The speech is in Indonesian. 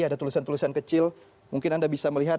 ada tulisan tulisan kecil mungkin anda bisa melihat